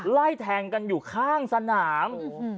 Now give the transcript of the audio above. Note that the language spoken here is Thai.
ไล่แทงกันอยู่ข้างสนาม